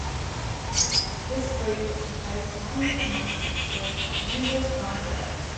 This group was composed mainly of manufacturers and users from Europe.